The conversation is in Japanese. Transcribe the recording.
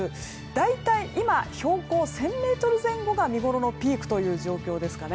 大体、標高１０００ｍ前後が見ごろのピークという状況です。